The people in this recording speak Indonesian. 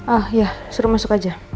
ah ya seru masuk aja